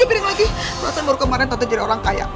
perasaan baru kemarin tante jadi orang kaya